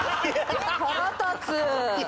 腹立つ！